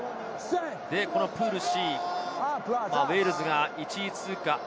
プールＣ、ウェールズが１位通過。